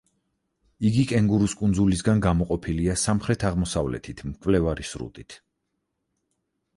იგი კენგურუს კუნძულისაგან გამოყოფილია სამხრეთ-აღმოსავლეთით მკვლევარი სრუტით.